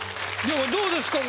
どうですか？